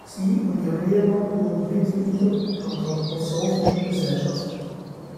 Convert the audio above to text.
Sie und ihr Ehemann wurden Mitglieder der Anthroposophischen Gesellschaft.